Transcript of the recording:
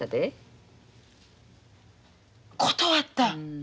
断った？